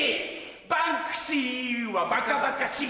バンクシーはバカバカしい。